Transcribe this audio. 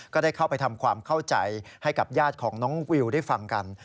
ก็ได้เข้าไปทำความเข้าใจให้กับญาติของน้องวิวได้ฟังกัน